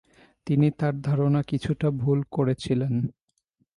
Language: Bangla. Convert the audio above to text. তিনি তার ধারণা কিছুটা ভুল করেছিলেন।